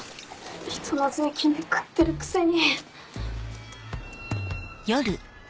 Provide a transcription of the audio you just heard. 人の税金で食ってるくせに。